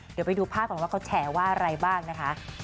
เดี๋ยวไปดูภาพก่อนว่าเขาแฉว่าอะไรบ้างนะคะ